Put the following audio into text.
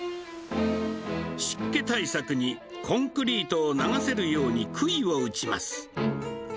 湿気対策にコンクリートを流せるようにくいを打ちます。